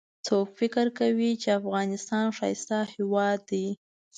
څوک فکر کوي چې افغانستان ښایسته هیواد ده